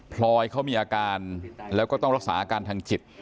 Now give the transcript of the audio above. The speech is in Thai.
พลอยเขามีอาการแล้วก็ต้องรักษาอาการทางจิต